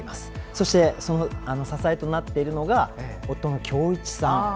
そしてその支えとなっているのが夫の恭一さん。